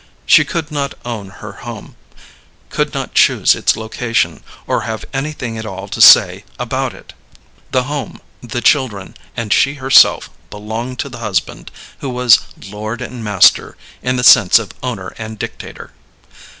She could not own her home, could not choose its location, or have anything at all to say about it. The home, the children, and she herself belonged to the husband, who was "lord and master" in the sense of owner and dictator.